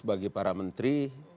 bagi para menteri